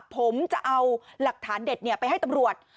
ผมจะเอาหลักฐานเด็ดไปให้ตำรวจ